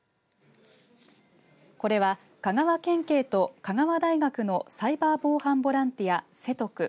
これは香川県警と香川大学のサイバー防犯ボランティアＳＥＴＯＫＵ